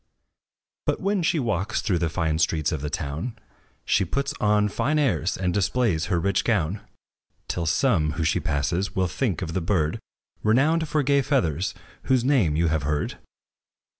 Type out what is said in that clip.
But when she walks through the fine streets of the town, She puts on fine airs, and displays her rich gown; Till some, whom she passes, will think of the bird Renowned for gay feathers, whose name you have heard.